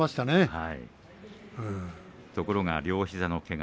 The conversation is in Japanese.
ところが両膝のけが